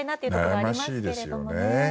悩ましいですよね。